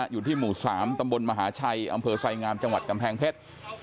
อยู่ที่หมู่๓ตำบลมหาชัยอำเภอไซงามจังหวัดกำแพงเพชร